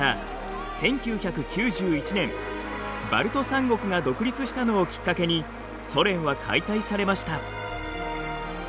１９９１年バルト３国が独立したのをきっかけにソ連は解体されました。